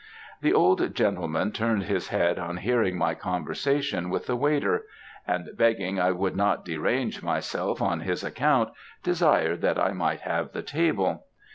The old gentleman turned his head on hearing my conversation with the waiter; and, begging I would not derange myself on his account, desired that I might have the table.